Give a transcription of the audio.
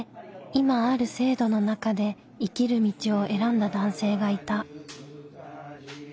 今ある制度の中で生きる道を選んだ男性がいた。